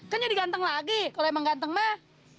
kan jadi ganteng lagi kalau emang ganteng mah